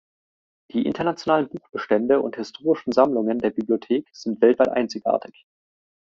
Die internationalen Buchbestände und historischen Sammlungen der Bibliothek sind weltweit einzigartig.